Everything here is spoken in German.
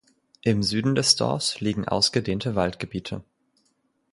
Im Süden des Dorfs liegen ausgedehnte Waldgebiete.